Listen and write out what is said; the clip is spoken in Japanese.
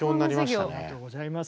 ありがとうございます。